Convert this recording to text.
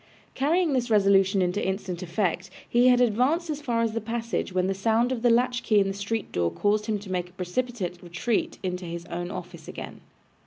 Carrying this resolution into instant effect, he had advanced as far as the passage, when the sound of the latch key in the street door caused him to make a precipitate retreat into his own office again.